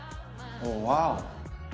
ワオ！